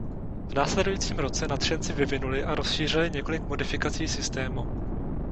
V následujícím roce nadšenci vyvinuli a rozšířili několik modifikací systému.